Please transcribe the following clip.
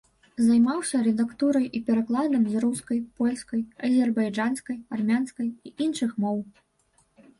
Займаўся рэдактурай і перакладам з рускай, польскай, азербайджанскай, армянскай і іншых моў.